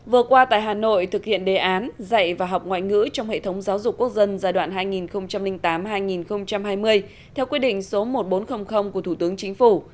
vừa qua tại hà nội thực hiện đề án dạy và học ngoại ngữ trong hệ thống giáo dục quốc dân giai đoạn hai nghìn tám hai nghìn hai mươi theo quyết định số một nghìn bốn trăm linh của thủ tướng chính phủ